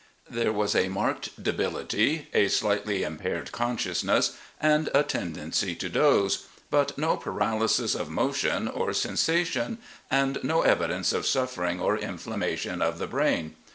There was marked debility, a slightly impaired consciousness, and a tendency to doze; but no paralysis of motion or sensa tion, and no evidence of suffering or inflammation of the brain.